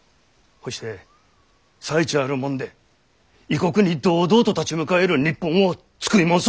ほして才知あるもんで異国に堂々と立ち向かえる日本を作いもんそ。